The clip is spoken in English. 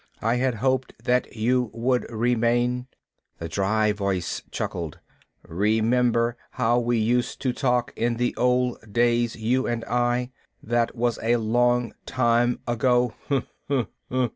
I had hoped that you would remain." The dry voice chuckled. "Remember how we used to talk in the old days, you and I? That was a long time ago."